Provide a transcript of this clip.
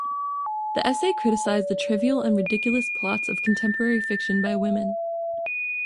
The essay criticised the trivial and ridiculous plots of contemporary fiction by women.